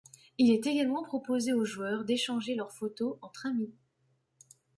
Il est également proposé aux joueurs d'échanger leurs photos entre amis.